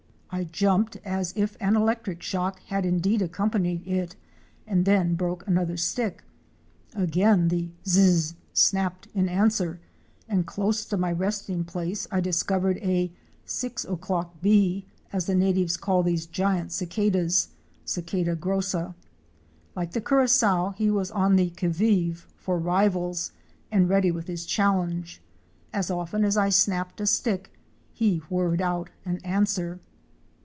I jumped as if an electric shock had indeed accompanied it, and then broke another stick. Again the zizs! snapped in answer, and close to my resting place I discovered a "Six o'clock Bee,' as the natives call these giant cicadas (Cicada grossa). Like the Curassow, he was on the qui vive for rivals and ready with his challenge. As often as I snapped a stick, he whirred out an answer.